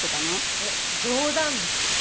えっ冗談ですよね？